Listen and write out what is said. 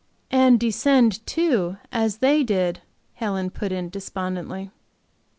"And descend too, as they did," Helen put in, despondently.